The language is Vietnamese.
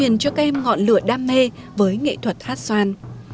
điều này cho các em ngọn lửa đam mê với nghệ thuật hát xoan